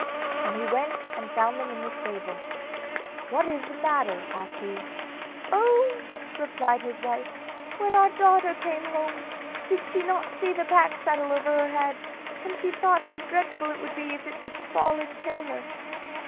And he went and found them in the stable. 'What is the matter?' asked he. 'Oh!' replied his wife, 'when our daughter came home, did she not see the pack saddle over her head, and she thought how dreadful it would be if it were to fall and kill her.